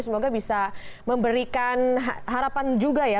semoga bisa memberikan harapan juga ya